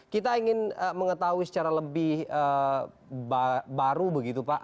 kita ingin mengetahui secara lebih baru begitu pak